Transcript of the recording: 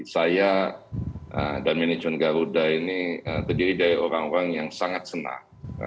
saya dan manajemen garuda ini terdiri dari orang orang yang sangat senang